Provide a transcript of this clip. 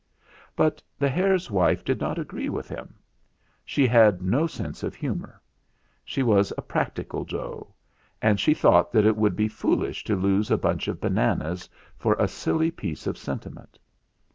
"But the hare's wife did not agree with him. She had no sense of humour. She was a practical doe, and she thought that it would be foolish to lose a bunch of bananas for a silly piece of sentiment.